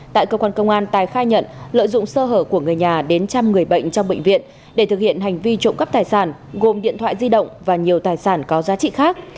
tại cơ quan công an tài khai nhận lợi dụng sơ hở của người nhà đến chăm người bệnh trong bệnh viện để thực hiện hành vi trộm cắp tài sản gồm điện thoại di động và nhiều tài sản có giá trị khác